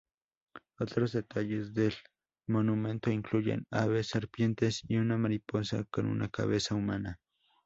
Otros detalles del monumento incluyen aves, serpientes y una mariposa con una cabeza humana.